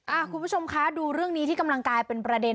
คุณผู้ชมคะดูเรื่องนี้ที่กำลังกลายเป็นประเด็น